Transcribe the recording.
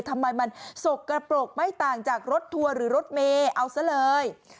ทำไมมันสกกระปรกไม่ต่างจากรถทัวร์หรือรถเมย์เอาซะเลย